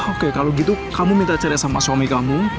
oke kalau gitu kamu minta cari sama suami kamu